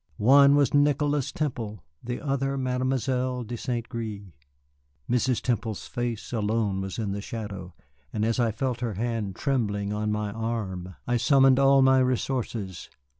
One was Nicholas Temple, the other, Mademoiselle de St. Gré. Mrs. Temple's face alone was in the shadow, and as I felt her hand trembling on my arm I summoned all my resources.